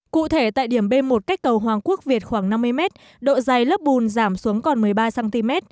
cụ thể tại điểm b một cách cầu hoàng quốc việt khoảng năm mươi mét độ dày lớp bùn giảm xuống còn một mươi ba cm